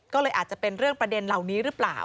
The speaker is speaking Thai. ก็เลยอาจจะเป็นเรื่องประเด็นเหล่านี้หรือเปล่า